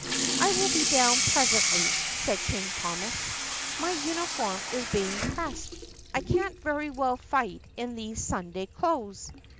"I will be down presently," said King Thomas. "My uni form is being pressed. I can't very well fight in these Sunday clothes."